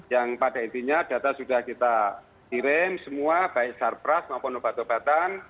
yang pada intinya data sudah kita kirim semua baik sarpras maupun obat obatan